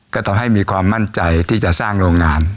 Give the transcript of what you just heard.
ก็ทำให้มีความมั่นใจที่จะสร้างโรงงาน